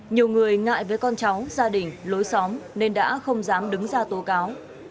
nhiều người ngại với con cháu gia đình lối xóm nên đã không dám đứng ra tố cáo